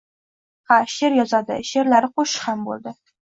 — Ha, she’r yozadi. She’rlari qo‘shiq ham bo‘ldi.